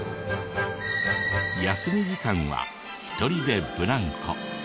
休み時間は１人でブランコ。